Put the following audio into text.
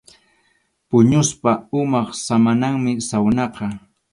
Puñuspa umap samananmi sawnaqa.